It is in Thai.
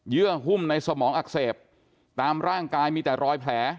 ื่อหุ้มในสมองอักเสบตามร่างกายมีแต่รอยแผล